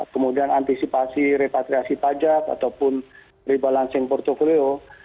kemudian antisipasi repatriasi pajak ataupun rebalancing portfolio